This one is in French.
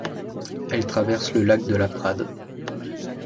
Elle traverse le lac de Laprade.